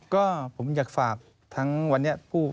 ก็ผมอยากฝากทั้งวันนี้ผู้